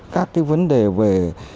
các vấn đề về